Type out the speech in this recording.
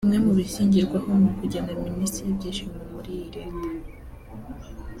Bimwe mu bishingirwaho mu kugena Minisitiri w’Ibyishimo muri iyi Leta